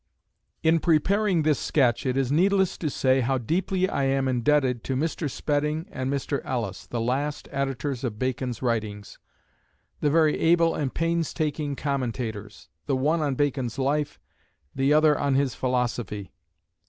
In preparing this sketch it is needless to say how deeply I am indebted to Mr. Spedding and Mr. Ellis, the last editors of Bacon's writings, the very able and painstaking commentators, the one on Bacon's life, the other on his philosophy.